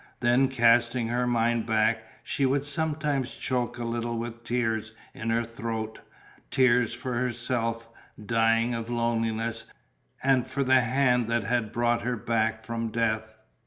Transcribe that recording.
Then, casting her mind back, she would sometimes choke a little with tears in her throat, tears for herself, dying of loneliness, and for the hand that had brought her back from death.